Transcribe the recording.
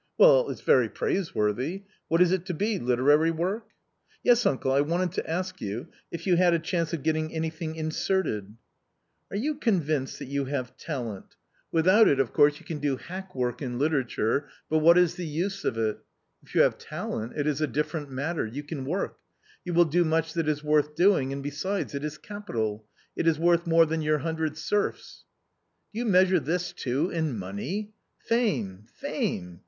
Well, it's very praiseworthy; what is it to be, literary work?" " Yes, uncle, I wanted to ask you, if you had a chance of getting anything inserted " "Are you convinced that you have talent? without it <\ 56 A COMMON STORY of course you can do hackwork in literature but what is the use of it ? If you have talent, it is a different matter ; you can work ; you will do much that is worth doing and besides it is capital— it is worth more than your hundred serfs/' " Do you measure this too in money ? Fame ! fame